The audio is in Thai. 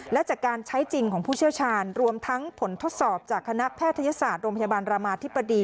และจากการใช้จริงของผู้เชี่ยวชาญรวมทั้งผลทดสอบจากคณะแพทยศาสตร์โรงพยาบาลรามาธิบดี